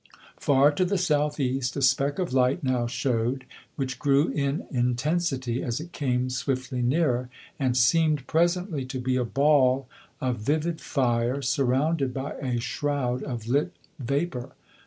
Far to the south east a speck of light now showed, which grew in intensity as it came swiftly nearer, and seemed presently to be a ball of vivid fire surrounded by a shroud of lit vapour.